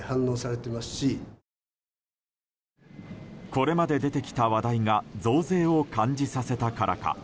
これまで出てきた話題が増税を感じさせたからか